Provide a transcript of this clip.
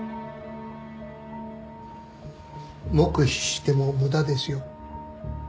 黙秘しても無駄ですよ。